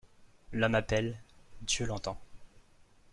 L'homme appelle, Dieu l'entend.